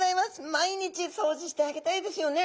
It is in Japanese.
毎日掃除してあげたいですよね。